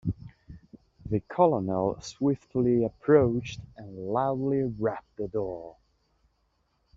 The colonel swiftly approached and loudly rapped the door.